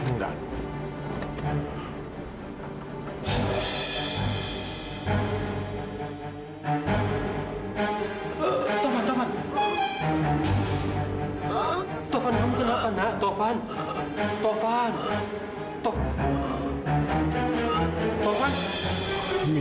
ya allah gimana ini